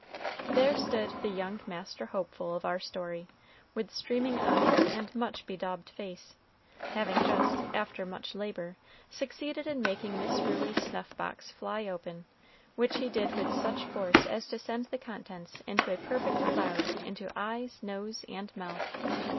There stood the young Master Hopeful of our story, with streaming eyes and much bedaubed face, having just, after much labor, succeeded in making Miss Ruey's snuff box fly open, which he did with such force as to send the contents in a perfect cloud into eyes, nose, and mouth.